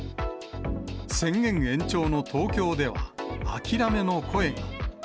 宣言延長の東京では、諦めの声が。